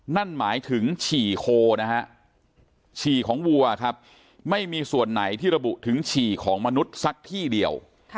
นั่นหมายถึงฉี่โคนะฮะฉี่ของวัวครับไม่มีส่วนไหนที่ระบุถึงฉี่ของมนุษย์สักที่เดียว